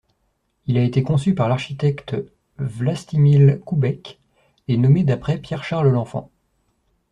Il a été conçu par l'architecte Vlastimil Koubek et nommé d'après Pierre Charles L'Enfant.